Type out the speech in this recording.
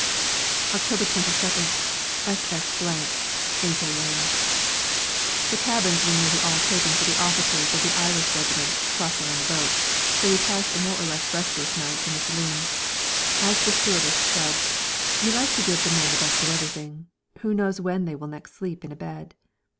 October 22nd, s.s. , 8 a.m. The cabins were nearly all taken for the officers of the Irish regiment crossing on the boat, so we passed a more or less restless night in the saloon. As the stewardess said: "We like to give the men the best of everything. Who knows when they will next sleep in a bed?"